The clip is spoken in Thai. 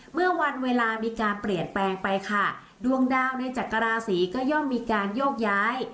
เมื่อวันเวลามีการเปลี่ยนแปลงไปค่ะดวงดาวในจักรราศีก็ย่อมมีการโยกย้าย